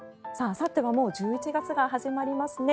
あさってはもう１１月が始まりますね。